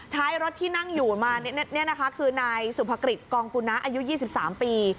ท้ายรถที่นั่งอยู่มานี่นะคะคือนายสุภกฤษกองกุณะอายุ๒๓ปี